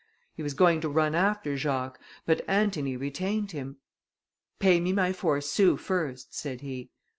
He was going to run after Jacques, but Antony retained him: "Pay me my four sous first," said he.